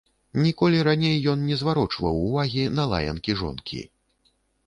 Ніколі раней ён не зварочваў увагі на лаянкі жонкі.